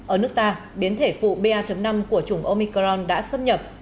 ở nước ta biến thể phụ ba năm của chủng omicron đã xâm nhập